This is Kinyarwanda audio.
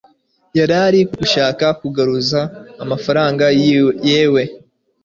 yarari gushaka kugaruza Amafaranga yiwe